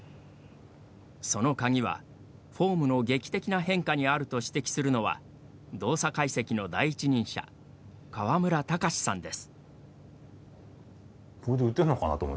その鍵は、フォームの劇的な変化にあると指摘するのは動作解析の第一人者川村卓さんです。